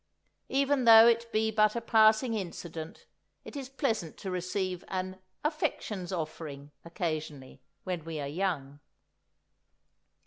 Even though it be but a passing incident, it is pleasant to receive an "affection's offering" occasionally, when we are young.